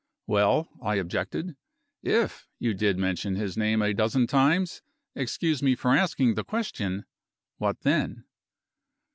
"Well," I objected, "if you did mention his name a dozen times excuse me for asking the question what then?"